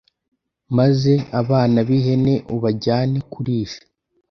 maze abana b’ihene ubajyane kurisha